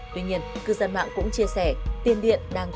tuy nhiên cư dân mạng cũng chia sẻ tiên điện đang chống lại